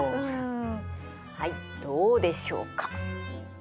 はいどうでしょうか？